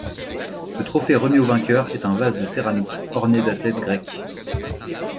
Le trophée remis au vainqueur est un vase de céramique orné d'athlètes grecs.